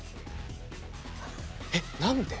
えっ？何で？